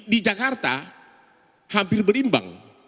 di jakarta hampir berimbang